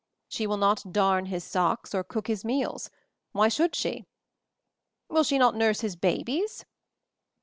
She will not darn his socks or cook his meals. Why should she?" "Will she not nurse his babies